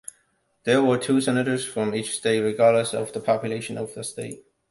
There were two senators from each state regardless of the population of the state.